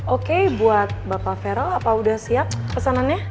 oke buat bapak vero apa udah siap pesanannya